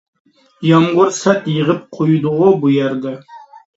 يامغۇر سەت يېغىپ قويدىغۇ بۇ يەردە.